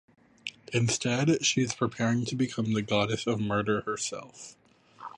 Instead, she is preparing to become the Goddess of Murder herself.